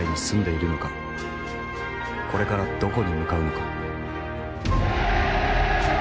これからどこに向かうのか。